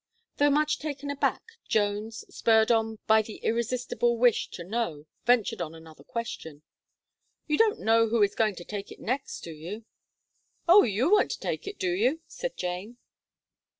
Though much taken aback, Jones, spurred on by the irresistible wish to know, ventured on another question. "You don't know who is going to take it next, do you?" "Oh! you want to take it, do you?" said Jane.